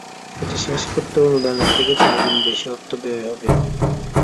এটি শেষ করতে অনুদানের থেকে চার গুণ বেশি অর্থ ব্যয় হবে।